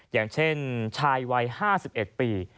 อย่างเช่นชายวัย๕๑ปี